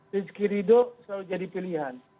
rizky ridho selalu jadi pilihan